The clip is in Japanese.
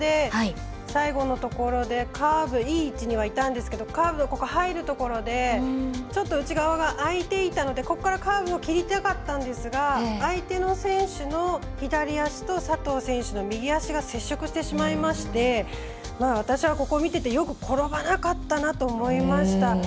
ここで最後のところでカーブカーブ、いい位置にはいたんですけどカーブ入るところでちょっと内側が空いていたのでここからカーブを切りたかったんですが相手の選手の左足と佐藤選手の右足が接触してしまいまして私はここを見ててよく転ばなかったなと思いました。